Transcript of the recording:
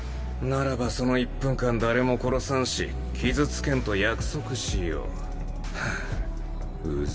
ならばその１分間誰も殺さんし傷つけんと約束しよう。